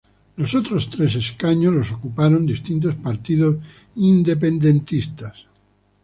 Los otros tres escaños los ocuparon distintos partidos independentistas.